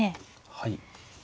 はい。